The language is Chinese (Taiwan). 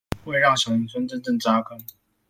為讓小林村真正扎根